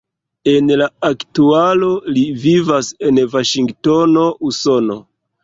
En la aktualo li vivas en Vaŝingtono, Usono.